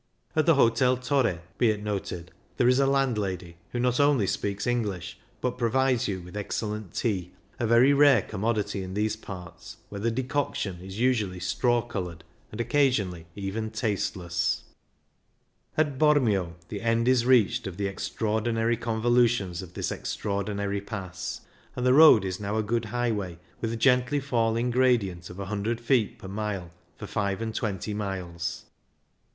At the Hotel Torre, be it noted, there is a landlady who not only speaks English, but provides you with excellent tea — a very rare commodity in these parts, where the decoction is usually straw coloured and occasionally even tasteless. 38 CYCLING IN THE ALPS At Bormio the end is reached of the extraordinary convolutions of this extra ordinary pass, and the road is now a good highway, with a gently falling gradient of a hundred feet per mile for five and twenty miles.